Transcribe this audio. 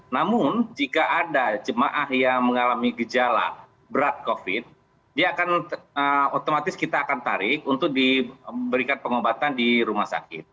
namun jika ada jemaah yang mengalami gejala berat covid dia akan otomatis kita akan tarik untuk diberikan pengobatan di rumah sakit